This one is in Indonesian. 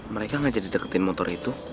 mereka ngajak dideketin motor itu